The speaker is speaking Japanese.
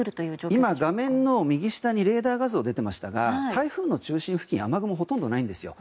今、画面の右下にレーダー画像が出ていましたが台風の中心付近は雨雲ほとんどないんですよ。